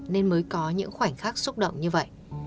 nên mới có những khoảnh khắc xúc động như vậy